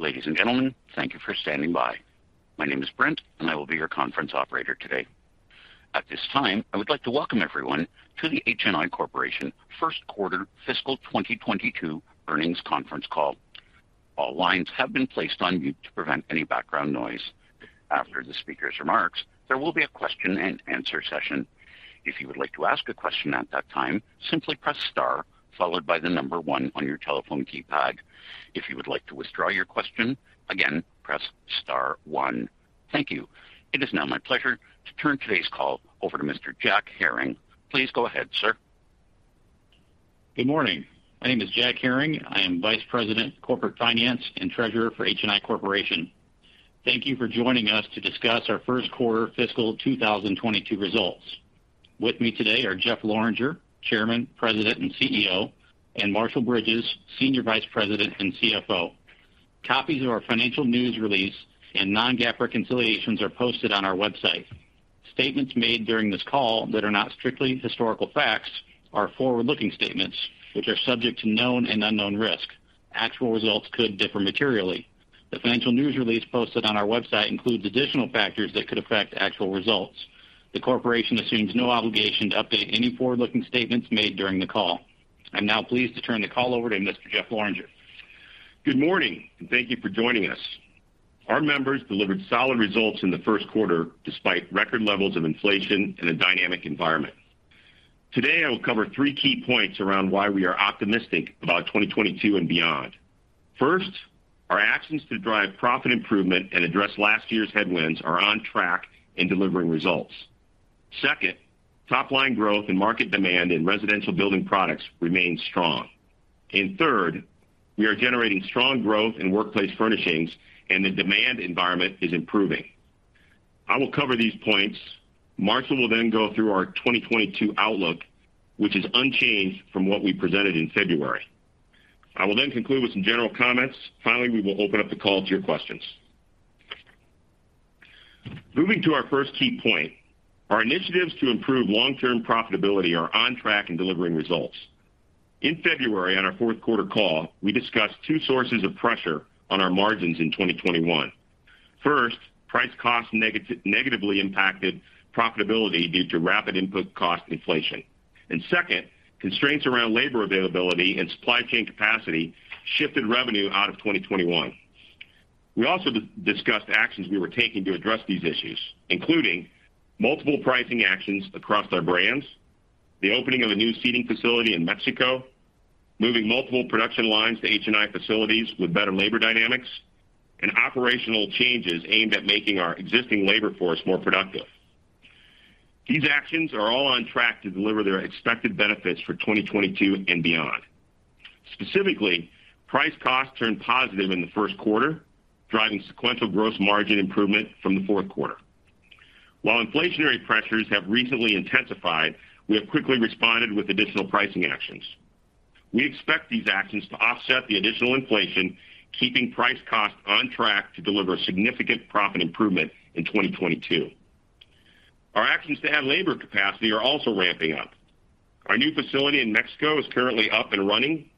Ladies and gentlemen, thank you for standing by. My name is Brent, and I will be your conference operator today. At this time, I would like to welcome everyone to the HNI Corporation First Quarter Fiscal 2022 Earnings Conference Call. All lines have been placed on mute to prevent any background noise. After the speaker's remarks, there will be a question-and-answer session. If you would like to ask a question at that time, simply press star followed by the number one on your telephone keypad. If you would like to withdraw your question, again, press star one. Thank you. It is now my pleasure to turn today's call over to Mr. Jack Herring. Please go ahead, sir. Good morning. My name is Jack Herring. I am Vice President, Corporate Finance and Treasurer for HNI Corporation. Thank you for joining us to discuss our first quarter fiscal 2022 results. With me today are Jeffrey Lorenger, Chairman, President, and CEO, and Marshall Bridges, Senior Vice President and CFO. Copies of our financial news release and non-GAAP reconciliations are posted on our website. Statements made during this call that are not strictly historical facts are forward-looking statements, which are subject to known and unknown risk. Actual results could differ materially. The financial news release posted on our website includes additional factors that could affect actual results. The corporation assumes no obligation to update any forward-looking statements made during the call. I'm now pleased to turn the call over to Mr. Jeffrey Lorenger. Good morning, and thank you for joining us. Our members delivered solid results in the first quarter despite record levels of inflation in a dynamic environment. Today, I will cover three key points around why we are optimistic about 2022 and beyond. First, our actions to drive profit improvement and address last year's headwinds are on track in delivering results. Second, top line growth and market demand in Residential Building Products remain strong. Third, we are generating strong growth in Workplace Furnishings and the demand environment is improving. I will cover these points. Marshall will then go through our 2022 outlook, which is unchanged from what we presented in February. I will then conclude with some general comments. Finally, we will open up the call to your questions. Moving to our first key point, our initiatives to improve long-term profitability are on track in delivering results. In February, on our fourth quarter call, we discussed two sources of pressure on our margins in 2021. First, price cost negatively impacted profitability due to rapid input cost inflation. Second, constraints around labor availability and supply chain capacity shifted revenue out of 2021. We also discussed actions we were taking to address these issues, including multiple pricing actions across our brands, the opening of a new seating facility in Mexico, moving multiple production lines to HNI facilities with better labor dynamics, and operational changes aimed at making our existing labor force more productive. These actions are all on track to deliver their expected benefits for 2022 and beyond. Specifically, price cost turned positive in the first quarter, driving sequential gross margin improvement from the fourth quarter. While inflationary pressures have recently intensified, we have quickly responded with additional pricing actions. We expect these actions to offset the additional inflation, keeping price cost on track to deliver significant profit improvement in 2022. Our actions to add labor capacity are also ramping up. Our new facility in Mexico is currently up and running.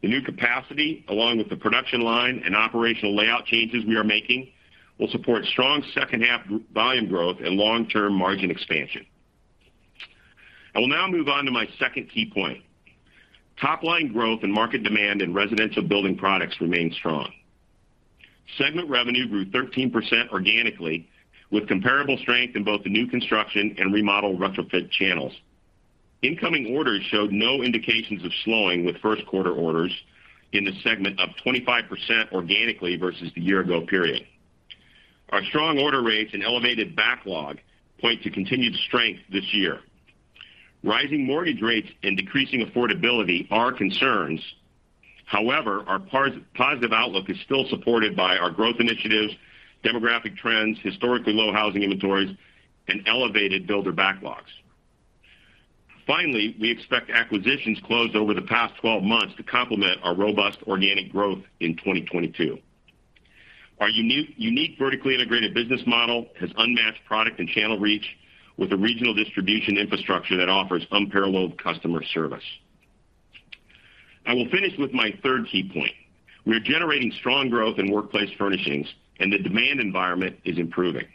The new capacity, along with the production line and operational layout changes we are making, will support strong second half volume growth and long-term margin expansion. I will now move on to my second key point. Top line growth and market demand in residential building products remain strong. Segment revenue grew 13% organically, with comparable strength in both the new construction and remodel retrofit channels. Incoming orders showed no indications of slowing with first quarter orders in the segment of 25% organically versus the year ago period. Our strong order rates and elevated backlog point to continued strength this year. Rising mortgage rates and decreasing affordability are concerns. However, our positive outlook is still supported by our growth initiatives, demographic trends, historically low housing inventories, and elevated builder backlogs. Finally, we expect acquisitions closed over the past 12 months to complement our robust organic growth in 2022. Our unique vertically integrated business model has unmatched product and channel reach with a regional distribution infrastructure that offers unparalleled customer service. I will finish with my third key point. We are generating strong growth in workplace furnishings, and the demand environment is improving.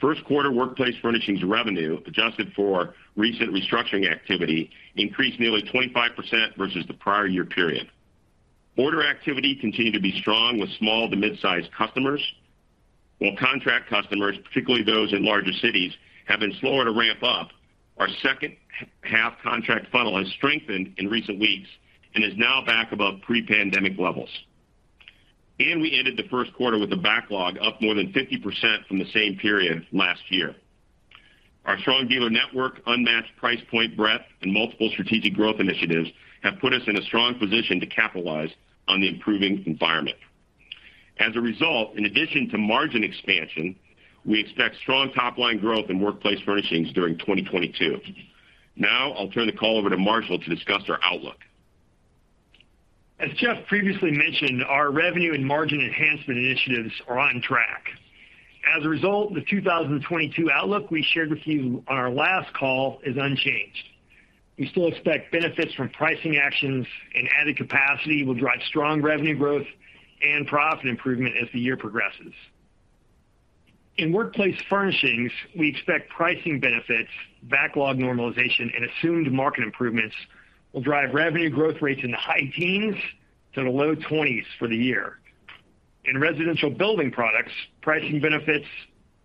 First quarter workplace furnishings revenue, adjusted for recent restructuring activity, increased nearly 25% versus the prior year period. Order activity continued to be strong with small to mid-sized customers. While contract customers, particularly those in larger cities, have been slower to ramp up, our second half contract funnel has strengthened in recent weeks and is now back above pre-pandemic levels. We ended the first quarter with a backlog up more than 50% from the same period last year. Our strong dealer network, unmatched price point breadth, and multiple strategic growth initiatives have put us in a strong position to capitalize on the improving environment. As a result, in addition to margin expansion, we expect strong top-line growth in workplace furnishings during 2022. Now I'll turn the call over to Marshall to discuss our outlook. As Jeff previously mentioned, our revenue and margin enhancement initiatives are on track. As a result, the 2022 outlook we shared with you on our last call is unchanged. We still expect benefits from pricing actions and added capacity will drive strong revenue growth and profit improvement as the year progresses. In Workplace Furnishings, we expect pricing benefits, backlog normalization, and assumed market improvements will drive revenue growth rates in the high teens to the low twenties for the year. In Residential Building Products, pricing benefits,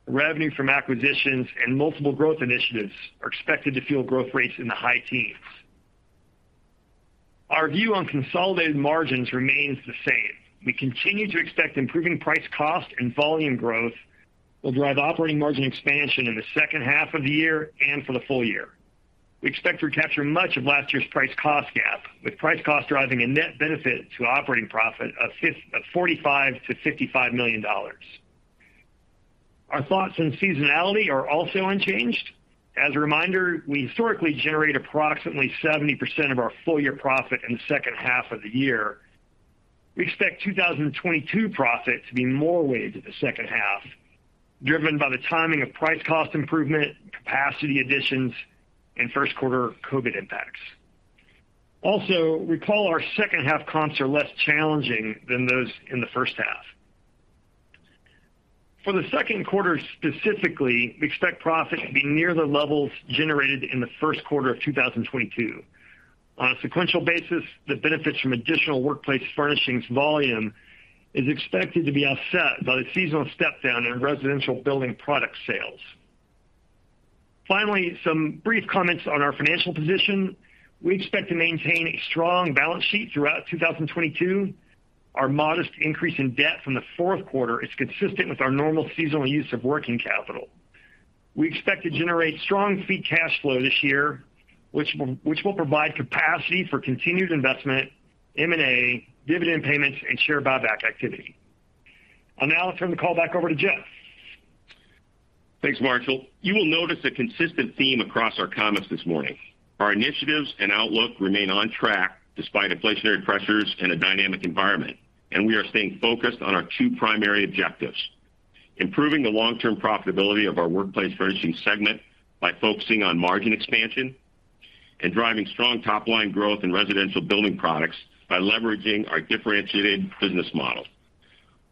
revenue from acquisitions, and multiple growth initiatives are expected to fuel growth rates in the high teens. Our view on consolidated margins remains the same. We continue to expect improving price-cost and volume growth will drive operating margin expansion in the second half of the year and for the full year. We expect to recapture much of last year's price cost gap, with price cost driving a net benefit to operating profit of $45 million-$55 million. Our thoughts on seasonality are also unchanged. As a reminder, we historically generate approximately 70% of our full-year profit in the second half of the year. We expect 2022 profit to be more weighted to the second half, driven by the timing of price cost improvement, capacity additions, and first quarter COVID impacts. Also, recall our second half comps are less challenging than those in the first half. For the second quarter specifically, we expect profit to be near the levels generated in the first quarter of 2022. On a sequential basis, the benefits from additional workplace furnishings volume is expected to be offset by the seasonal step down in residential building product sales. Finally, some brief comments on our financial position. We expect to maintain a strong balance sheet throughout 2022. Our modest increase in debt from the fourth quarter is consistent with our normal seasonal use of working capital. We expect to generate strong free cash flow this year, which will provide capacity for continued investment, M&A, dividend payments, and share buyback activity. I'll now turn the call back over to Jeff. Thanks, Marshall. You will notice a consistent theme across our comments this morning. Our initiatives and outlook remain on track despite inflationary pressures in a dynamic environment, and we are staying focused on our two primary objectives, improving the long-term profitability of our Workplace Furnishings segment by focusing on margin expansion and driving strong top-line growth in Residential Building Products by leveraging our differentiated business model.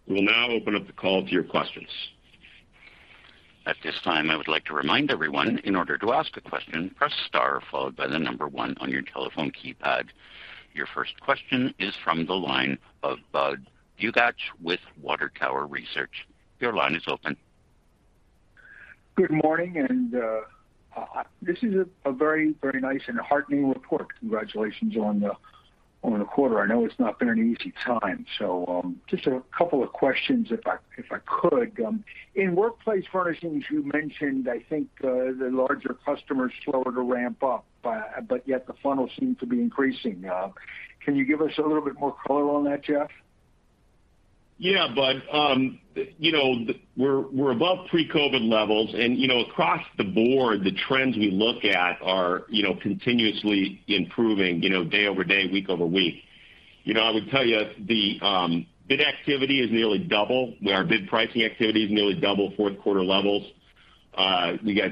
We will now open up the call to your questions. At this time, I would like to remind everyone in order to ask a question, press star followed by the number one on your telephone keypad. Your first question is from the line of Budd Bugatch with Water Tower Research. Your line is open. Good morning, this is a very nice and heartening report. Congratulations on the quarter. I know it's not been an easy time. Just a couple of questions if I could. In Workplace Furnishings, you mentioned, I think, the larger customers slower to ramp up, but yet the funnel seems to be increasing. Can you give us a little bit more color on that, Jeff? Yeah, Budd. You know, we're above pre-COVID levels. You know, across the board, the trends we look at are continuously improving, you know, day over day, week over week. You know, I would tell you the bid activity is nearly double. Our bid pricing activity is nearly double fourth quarter levels. We got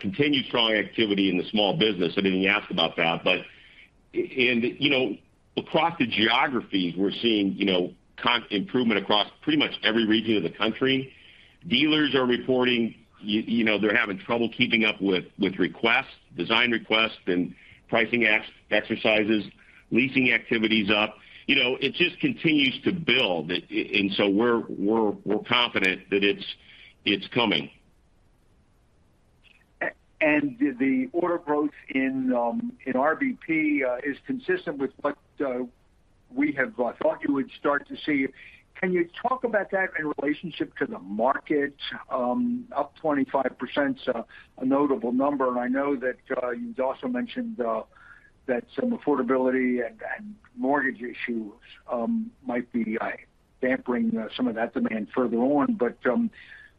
continued strong activity in the small business. I didn't ask about that, but in, you know, across the geographies, we're seeing, you know, improvement across pretty much every region of the country. Dealers are reporting, you know, they're having trouble keeping up with requests, design requests and pricing exercises, leasing activity is up. You know, it just continues to build. We're confident that it's coming. The order growth in RBP is consistent with what we have thought you would start to see. Can you talk about that in relationship to the market? Up 25% is a notable number, and I know that you've also mentioned that some affordability and mortgage issues might be dampening some of that demand further on.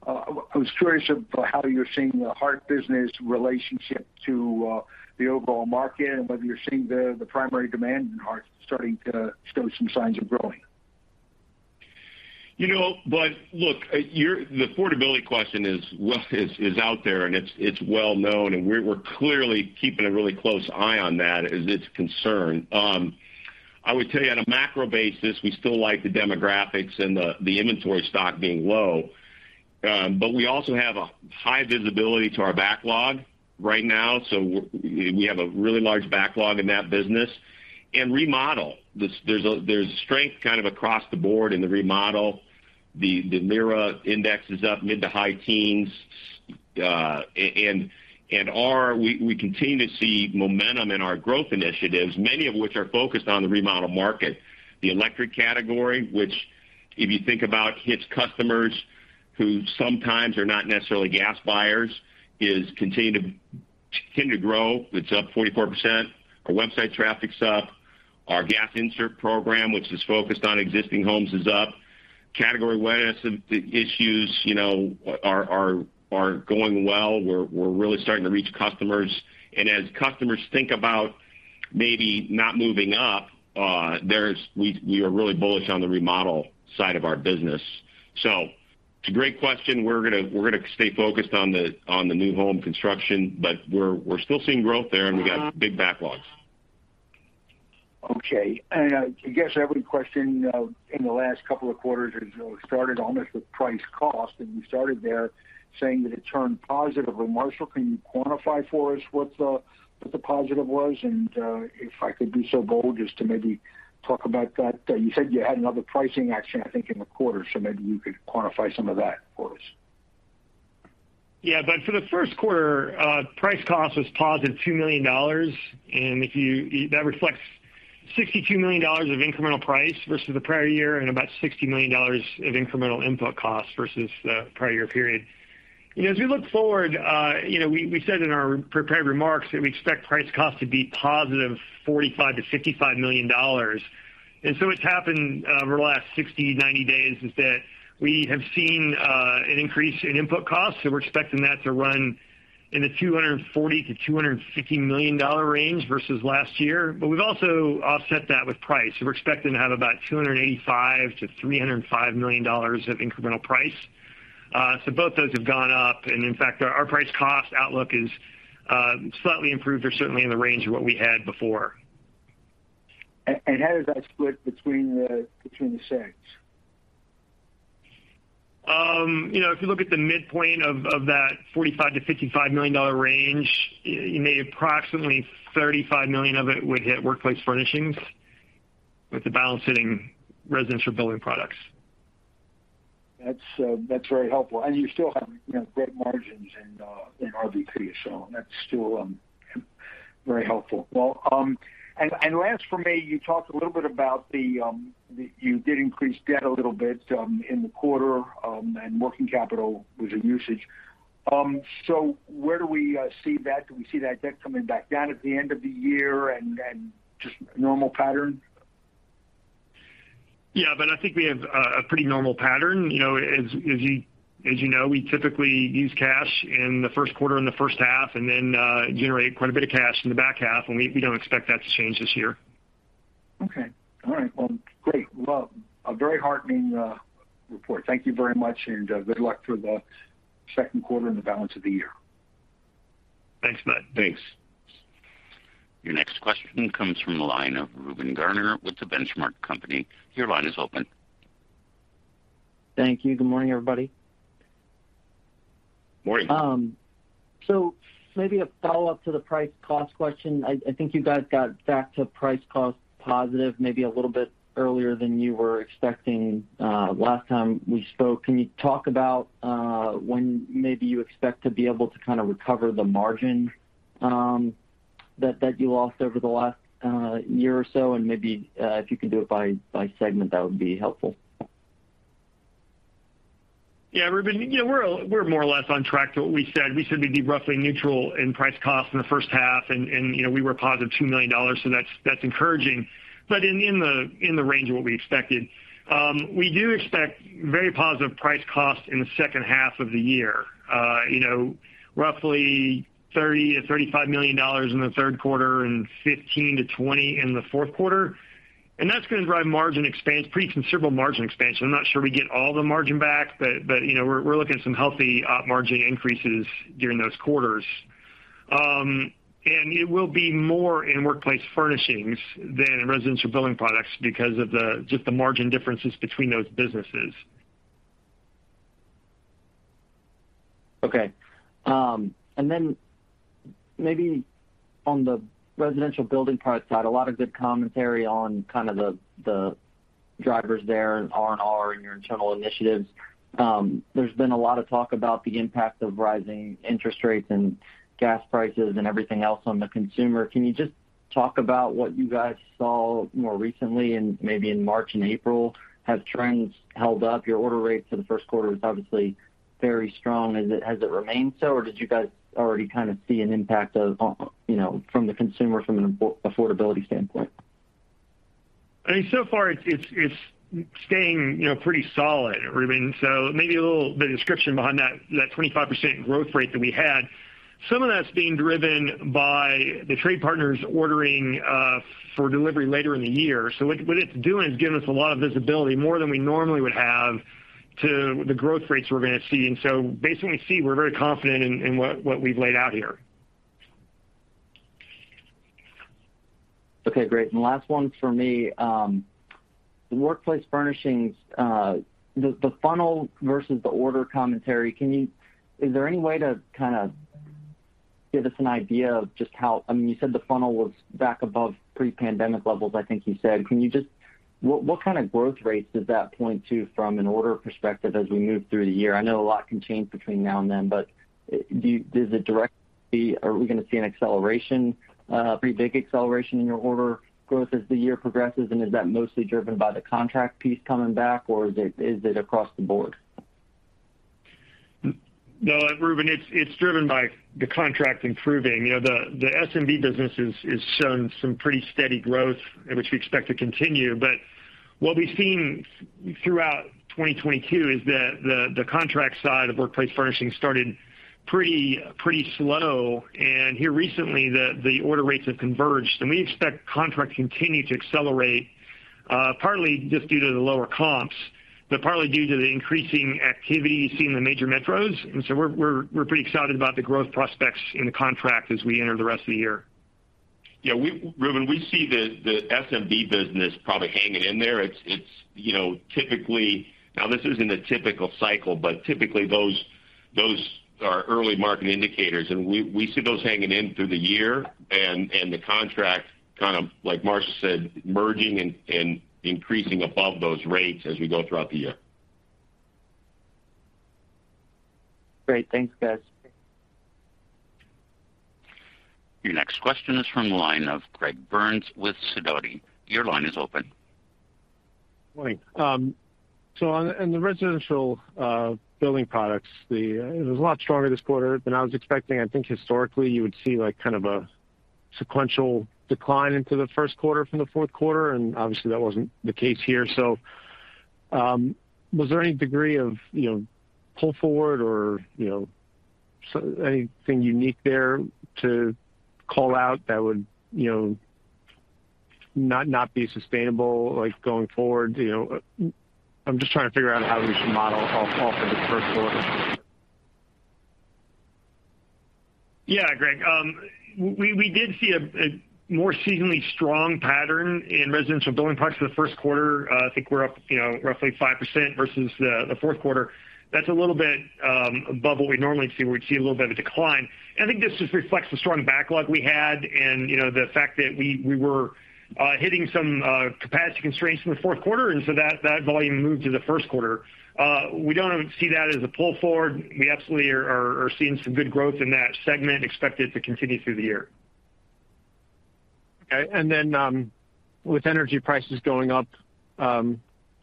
I was curious of how you're seeing the hearth business relationship to the overall market and whether you're seeing the primary demand in hearth starting to show some signs of growing. You know, Bud, look, the affordability question is out there, and it's well known, and we're clearly keeping a really close eye on that as it's concerned. I would tell you on a macro basis, we still like the demographics and the inventory stock being low. We also have a high visibility to our backlog right now, so we have a really large backlog in that business. In remodel, there's strength kind of across the board in the remodel. The LIRA index is up mid to high teens. We continue to see momentum in our growth initiatives, many of which are focused on the remodel market. The electric category, which if you think about hits customers who sometimes are not necessarily gas buyers, is continuing to grow. It's up 44%. Our website traffic's up. Our gas insert program, which is focused on existing homes, is up. Category awareness of the issues are going well. We're really starting to reach customers. As customers think about maybe not moving up, we are really bullish on the remodel side of our business. So It's a great question. We're gonna stay focused on the new home construction, but we're still seeing growth there, and we got big backlogs. Okay. I guess every question in the last couple of quarters has started almost with price cost, and you started there saying that it turned positive. Marshall, can you quantify for us what the positive was? If I could be so bold as to maybe talk about that. You said you had another pricing action, I think, in the quarter. Maybe you could quantify some of that for us. Yeah. For the first quarter, price cost was positive $2 million. That reflects $62 million of incremental price versus the prior year and about $60 million of incremental input costs versus the prior year period. You know, as we look forward, you know, we said in our prepared remarks that we expect price cost to be positive $45-$55 million. What's happened over the last 60-90 days is that we have seen an increase in input costs, so we're expecting that to run in the $240-$250 million range versus last year. We've also offset that with price. We're expecting to have about $285-$305 million of incremental price. Both those have gone up. In fact, our price cost outlook is slightly improved or certainly in the range of what we had before. How does that split between the sets? You know, if you look at the midpoint of that $45-$55 million range, you know, approximately $35 million of it would hit Workplace Furnishings, with the balance hitting Residential Building Products. That's very helpful. You still have, you know, great margins in RBP, so that's still very helpful. Well, last for me, you talked a little bit about you did increase debt a little bit in the quarter, and working capital was in usage. Where do we see that? Do we see that debt coming back down at the end of the year and then just normal pattern? Yeah. I think we have a pretty normal pattern. You know, as you know, we typically use cash in the first quarter and the first half and then generate quite a bit of cash in the back half, and we don't expect that to change this year. Okay. All right. Well, great. Well, a very heartening report. Thank you very much, and good luck for the second quarter and the balance of the year. Thanks, Bud. Thanks. Your next question comes from the line of Reuben Garner with The Benchmark Company. Your line is open. Thank you. Good morning, everybody. Morning. Maybe a follow-up to the price cost question. I think you guys got back to price cost positive maybe a little bit earlier than you were expecting last time we spoke. Can you talk about when maybe you expect to be able to kinda recover the margin that you lost over the last year or so? Maybe if you can do it by segment, that would be helpful. Yeah. Reuben, you know, we're more or less on track to what we said. We said we'd be roughly neutral in price cost in the first half and, you know, we were positive $2 million, so that's encouraging. In the range of what we expected. We do expect very positive price cost in the second half of the year. You know, roughly $30-$35 million in the third quarter and $15-$20 million in the fourth quarter. That's gonna drive margin expansion, pretty considerable margin expansion. I'm not sure we get all the margin back, but, you know, we're looking at some healthy op margin increases during those quarters. It will be more in Workplace Furnishings than in Residential Building Products because of the just the margin differences between those businesses. Okay. Maybe on the Residential Building Products side, a lot of good commentary on kind of the drivers there in R&R and your internal initiatives. There's been a lot of talk about the impact of rising interest rates and gas prices and everything else on the consumer. Can you just talk about what you guys saw more recently and maybe in March and April? Have trends held up? Your order rates for the first quarter was obviously very strong. Has it remained so, or did you guys already kind of see an impact of, you know, from the consumer from an affordability standpoint? I mean, so far it's staying, you know, pretty solid, Reuben. Maybe a little bit of description behind that 25% growth rate that we had. Some of that's being driven by the trade partners ordering for delivery later in the year. What it's doing is giving us a lot of visibility, more than we normally would have to the growth rates we're gonna see. Based on what we see, we're very confident in what we've laid out here. Okay, great. The last one for me, the workplace furnishings, the funnel versus the order commentary, is there any way to kinda give us an idea of just how I mean, you said the funnel was back above pre-pandemic levels, I think you said. What kind of growth rates does that point to from an order perspective as we move through the year? I know a lot can change between now and then, but are we gonna see an acceleration, pretty big acceleration in your order growth as the year progresses? Is that mostly driven by the contract piece coming back, or is it across the board? No, Reuben, it's driven by the contract improving. You know, the SMB business has shown some pretty steady growth, which we expect to continue. What we've seen throughout 2022 is that the contract side of workplace furnishings started pretty slow. Here recently, the order rates have converged. We expect contracts to continue to accelerate, partly just due to the lower comps. Partly due to the increasing activity seen in the major metros. We're pretty excited about the growth prospects in the contract as we enter the rest of the year. Yeah, we, Reuben, we see the SMB business probably hanging in there. It's you know, typically. Now, this isn't a typical cycle, but typically those are early market indicators, and we see those hanging in through the year and the contract kind of, like Marshall said, merging and increasing above those rates as we go throughout the year. Great. Thanks, guys. Your next question is from the line of Greg Burns with Sidoti. Your line is open. Morning. In the Residential Building Products, it was a lot stronger this quarter than I was expecting. I think historically you would see like kind of a sequential decline into the first quarter from the fourth quarter, and obviously, that wasn't the case here. Was there any degree of, you know, pull forward or, you know, anything unique there to call out that would, you know, not be sustainable, like, going forward, you know? I'm just trying to figure out how we should model off of the first quarter. Yeah, Greg. We did see a more seasonally strong pattern in Residential Building Products for the first quarter. I think we're up roughly 5% versus the fourth quarter. That's a little bit above what we'd normally see. We'd see a little bit of a decline. I think this just reflects the strong backlog we had and the fact that we were hitting some capacity constraints in the fourth quarter, and so that volume moved to the first quarter. We don't see that as a pull forward. We absolutely are seeing some good growth in that segment. Expect it to continue through the year. Okay. With energy prices going up, are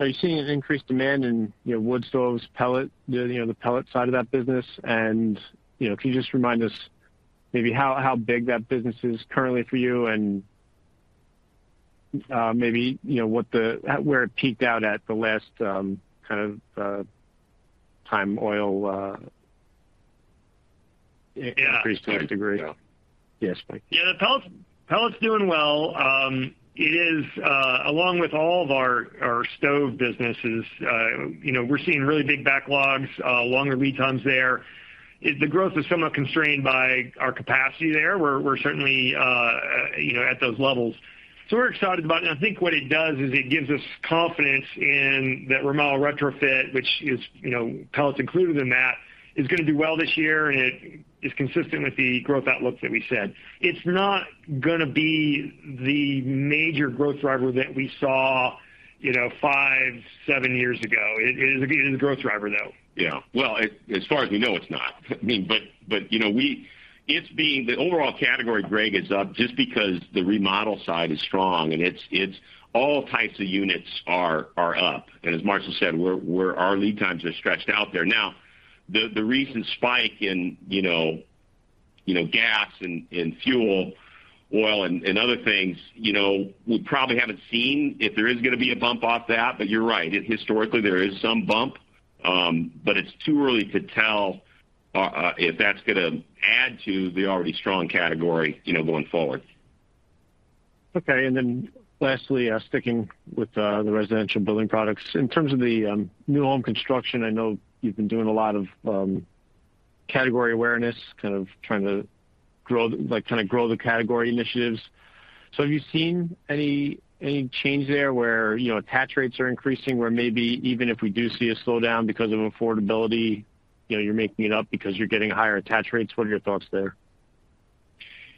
you seeing an increased demand in, you know, wood stoves, pellet, you know, the pellet side of that business? You know, can you just remind us maybe how big that business is currently for you and, maybe, you know, where it peaked out at the last, kind of, time oil? Yeah. increased to that degree? Yeah. Yes, please. The pellet's doing well. It is along with all of our stoves businesses, you know, we're seeing really big backlogs, longer lead times there. The growth is somewhat constrained by our capacity there. We're certainly, you know, at those levels. We're excited about it. I think what it does is it gives us confidence in that remodel retrofit, which is, you know, pellets included in that, is gonna do well this year, and it is consistent with the growth outlook that we said. It's not gonna be the major growth driver that we saw, you know, 5-7 years ago. It is a growth driver, though. Yeah. Well, as far as we know, it's not. I mean, but you know, the overall category, Greg, is up just because the remodel side is strong and all types of units are up. As Marshall said, our lead times are stretched out there. Now, the recent spike in you know, gas and fuel oil and other things, you know, we probably haven't seen if there is gonna be a bump off that. You're right. Historically, there is some bump, but it's too early to tell if that's gonna add to the already strong category, you know, going forward. Okay. Lastly, sticking with the Residential Building Products. In terms of the new home construction, I know you've been doing a lot of category awareness, kind of trying to grow the category initiatives. Have you seen any change there where, you know, attach rates are increasing, where maybe even if we do see a slowdown because of affordability, you know, you're making it up because you're getting higher attach rates? What are your thoughts there?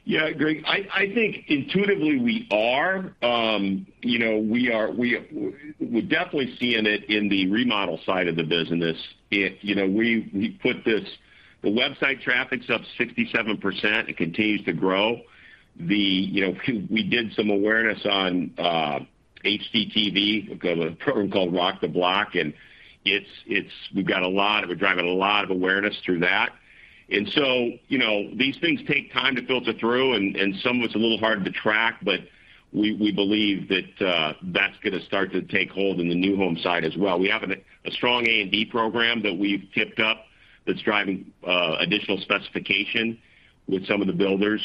Yeah, Greg, I think intuitively we are. You know, we're definitely seeing it in the remodel side of the business. The website traffic's up 67%. It continues to grow. You know, we did some awareness on HGTV. We've got a program called Rock the Block, and it's driving a lot of awareness through that. You know, these things take time to filter through and some of it's a little hard to track, but we believe that that's gonna start to take hold in the new home side as well. We have a strong A&D program that we've tipped up that's driving additional specification with some of the builders.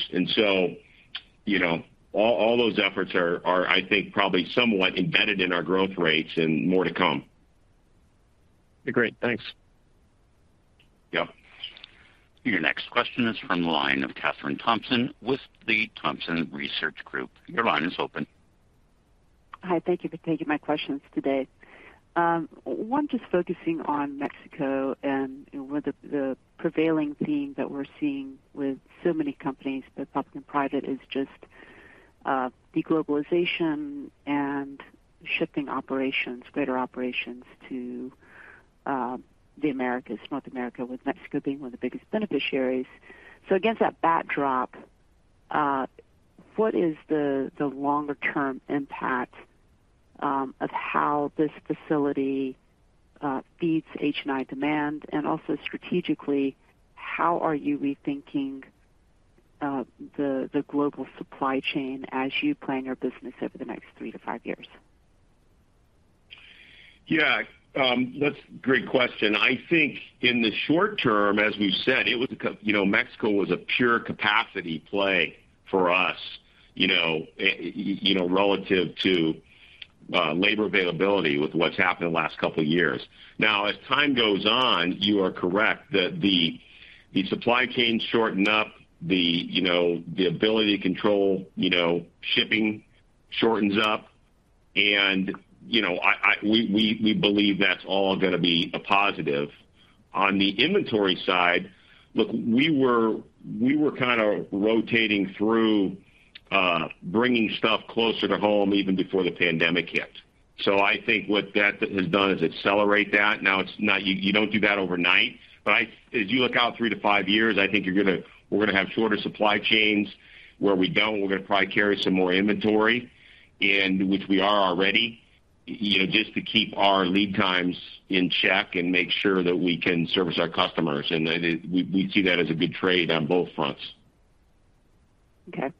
You know, all those efforts are, I think, probably somewhat embedded in our growth rates and more to come. Okay, great. Thanks. Yep. Your next question is from the line of Kathryn Thompson with the Thompson Research Group. Your line is open. Hi, thank you for taking my questions today. One, just focusing on Mexico and with the prevailing theme that we're seeing with so many companies, both public and private, is just de-globalization and shifting operations, greater operations to the Americas, North America, with Mexico being one of the biggest beneficiaries. Against that backdrop, what is the longer term impact of how this facility feeds HNI demand? Also strategically, how are you rethinking the global supply chain as you plan your business over the next 3-5 years? Yeah. That's a great question. I think in the short term, as we've said, you know, Mexico was a pure capacity play for us. You know, you know, relative to labor availability with what's happened in the last couple years. Now, as time goes on, you are correct that the supply chains shorten up, you know, the ability to control, you know, shipping shortens up and, you know, we believe that's all gonna be a positive. On the inventory side, look, we were kinda rotating through, bringing stuff closer to home even before the pandemic hit. I think what that has done is accelerate that. Now, it's not you don't do that overnight, but as you look out three to five years, I think we're gonna have shorter supply chains. Where we don't, we're gonna probably carry some more inventory and which we are already, you know, just to keep our lead times in check and make sure that we can service our customers. We see that as a good trade on both fronts. Okay.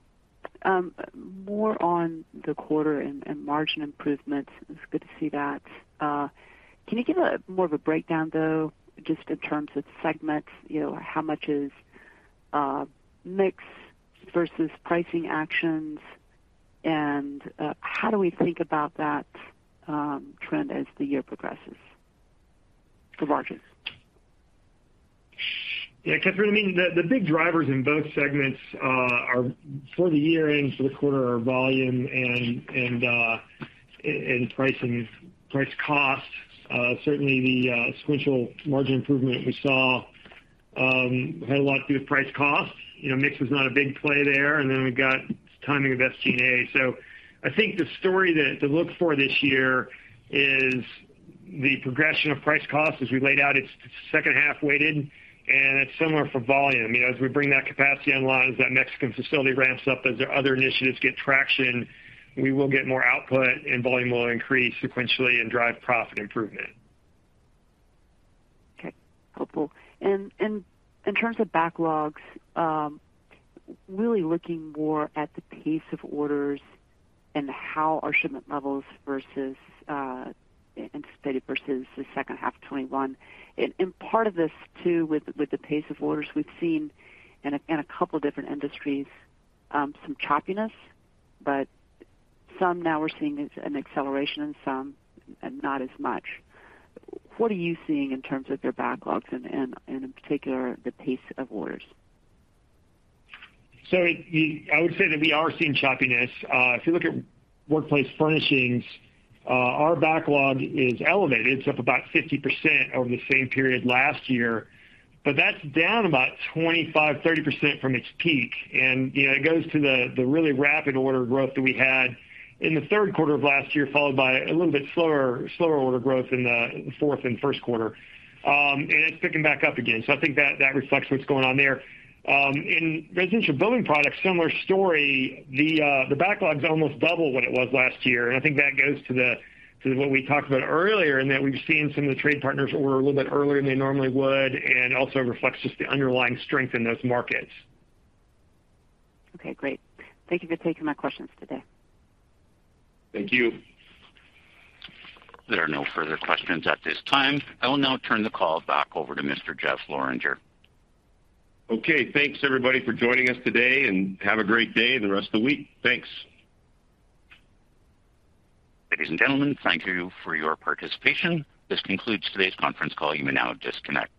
More on the quarter and margin improvements. It's good to see that. Can you give more of a breakdown, though, just in terms of segments, you know, how much is mix versus pricing actions? And how do we think about that trend as the year progresses for margins? Yeah, Kathryn, I mean, the big drivers in both segments are for the year-end, for the quarter are volume and price and price/cost. Certainly the sequential margin improvement we saw had a lot to do with price/cost. You know, mix was not a big play there, and then we've got timing of SG&A. I think the story to look for this year is the progression of price/cost. As we laid out, it's second half weighted, and it's similar for volume. You know, as we bring that capacity online, as that Mexican facility ramps up, as the other initiatives get traction, we will get more output and volume will increase sequentially and drive profit improvement. Okay. Helpful. In terms of backlogs, really looking more at the pace of orders and how our shipment levels versus anticipated versus the second half of 2021. Part of this, too, with the pace of orders we've seen in a couple different industries, some choppiness, but some now we're seeing as an acceleration and some not as much. What are you seeing in terms of your backlogs and in particular, the pace of orders? I would say that we are seeing choppiness. If you look at Workplace Furnishings, our backlog is elevated. It's up about 50% over the same period last year, but that's down about 25%-30% from its peak. You know, it goes to the really rapid order growth that we had in the third quarter of last year, followed by a little bit slower order growth in the fourth and first quarter. It's picking back up again. I think that reflects what's going on there. In Residential Building Products, similar story. The backlog's almost double what it was last year. I think that goes to what we talked about earlier in that we've seen some of the trade partners order a little bit earlier than they normally would, and also reflects just the underlying strength in those markets. Okay. Great. Thank you for taking my questions today. Thank you. There are no further questions at this time. I will now turn the call back over to Mr. Jeffrey Lorenger. Okay. Thanks, everybody, for joining us today, and have a great day and the rest of the week. Thanks. Ladies and gentlemen, thank you for your participation. This concludes today's conference call. You may now disconnect.